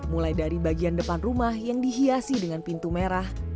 mulai dari bagian depan rumah yang dihiasi dengan pintu merah